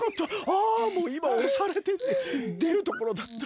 ああもういまおされてでるところだった。